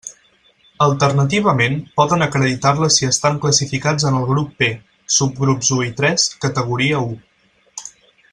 Alternativament, poden acreditar-la si estan classificats en el grup P, subgrups u i tres, categoria u.